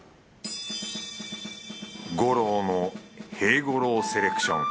五郎の平五郎セレクション